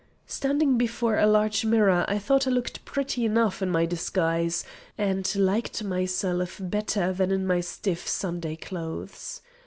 Standing before a large mirror I thought I looked prettily enough in my disguise, and liked myself better than in my stiff Sunday clothes.